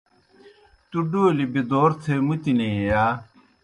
تُوْ ڈولیْ بِدَور تھے مُتنیئی یا؟